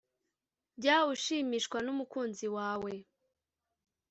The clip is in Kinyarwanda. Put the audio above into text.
jya ushimishwa n’umukunzi wawe